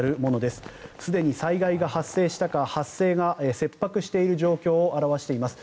すでに災害が発生したか災害が切迫している状態を表しています。